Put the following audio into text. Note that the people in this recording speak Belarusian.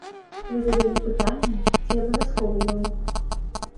Вы задалі пытанні, ці абавязковы ён.